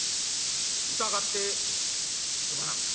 疑ってすまなんだ。